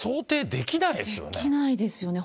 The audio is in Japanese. できないですよね。